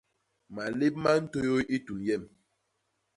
Malép ma ntôyôy i tun yem.